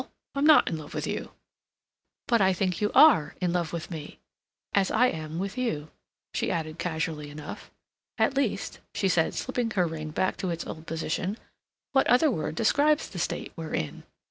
I'm not in love with you." "But I think you are in love with me.... As I am with you," she added casually enough. "At least," she said slipping her ring back to its old position, "what other word describes the state we're in?"